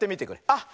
あっ！